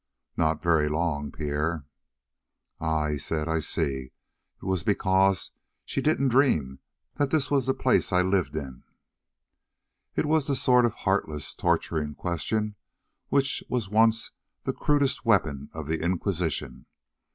"Not very long, Pierre." "Ah," he said. "I see! It was because she didn't dream that this was the place I lived in." It was the sort of heartless, torturing questioning which was once the crudest weapon of the inquisition.